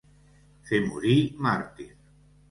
Fer morir màrtir.